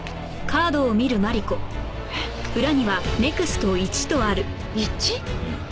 えっ１！？